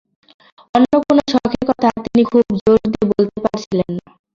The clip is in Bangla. অন্য কোনো শখের কথা তিনি খুব জোর দিয়ে বলতে পারছিলেন না।